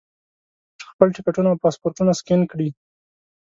خپل ټکټونه او پاسپورټونه سکین کړي.